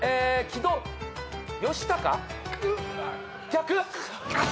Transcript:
逆？